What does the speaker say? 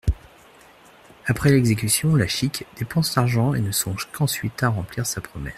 Après l'exécution, La Chique dépense l'argent et ne songe qu'ensuite à remplir sa promesse.